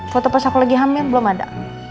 foto pas aku lagi hamil belum ada